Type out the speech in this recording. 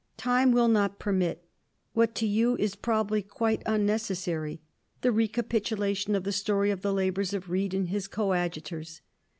Time will not permit — what to you is probably quite unnecessary — the recapitulation of the story of the labours of Reed and his coadjutors.